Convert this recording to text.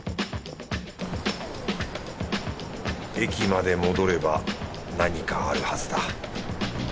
駅まで戻れば何かあるはずだ。